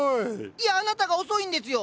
いやあなたが遅いんですよ。